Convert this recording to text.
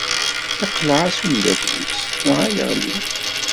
Iqelleɛ-as umeddakel-is dɣa yeɣli.